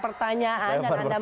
bisa dilempar tapi lempar pertanyaan